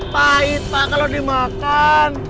pahit pak kalau dimakan